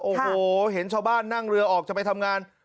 โอ้โหเห็นชาวบ้านนั่งเรือออกจะไปทำงาน